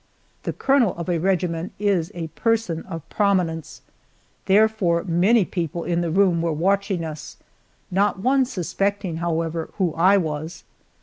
The colonel of a regiment is a person of prominence, therefore many people in the room were watching us, not one suspecting, however, who I was.